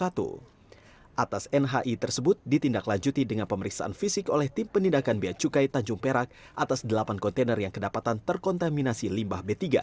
atas nhi tersebut ditindaklanjuti dengan pemeriksaan fisik oleh tim penindakan bia cukai tanjung perak atas delapan kontainer yang kedapatan terkontaminasi limbah b tiga